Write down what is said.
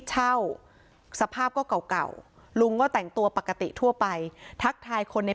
เช่าสภาพก็เก่าเก่าลุงก็แต่งตัวปกติทั่วไปทักทายคนใน